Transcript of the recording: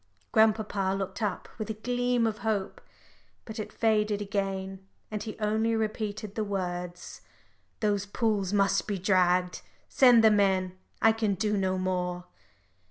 Grandpapa looked up with a gleam of hope. But it faded again, and he only repeated the words "Those pools must be dragged. Send the men. I can do no more."